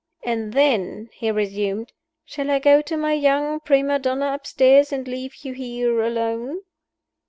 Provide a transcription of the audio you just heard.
"And then," he resumed, "shall I go to my young prima donna upstairs and leave you here alone?"